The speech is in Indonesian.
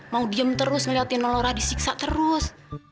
mau diem terus ngeliatin non lora disiksa terus